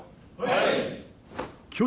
はい！